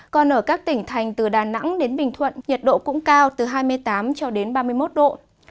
còn ở các tỉnh thành từ đà nẵng đến bình thuận nhiệt độ cũng cao từ hai mươi tám cho đến ba mươi một độ